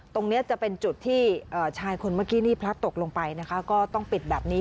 คนเมื่อกี้นี่พลัดตกลงไปนะคะก็ต้องปิดแบบนี้